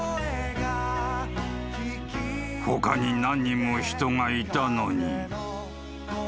［他に何人も人がいたのに］